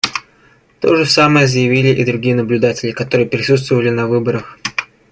То же самое заявили и другие наблюдатели, которые присутствовали на выборах.